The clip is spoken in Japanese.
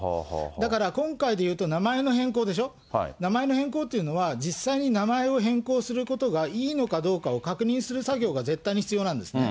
だから、今回でいうと、名前の変更でしょ、名前の変更というのは、実際に名前を変更することがいいのかどうかを確認する作業が絶対に必要なんですね。